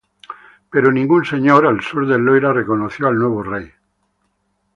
Pero ningún señor al sur del Loira reconoció al nuevo rey.